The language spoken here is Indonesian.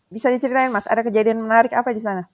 bisa diceritain mas ada kejadian menarik apa di sana